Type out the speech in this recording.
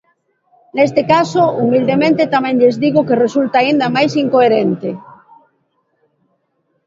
Neste caso, humildemente tamén lles digo que resulta aínda máis incoherente.